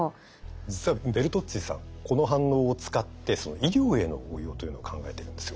実はベルトッツィさんこの反応を使って医療への応用というのを考えているんですよ。